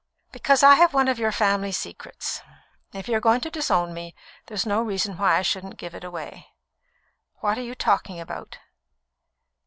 "Because I have one of your family secrets. If you are going to disown me, there's no reason why I shouldn't give it away." "What are you talking about?"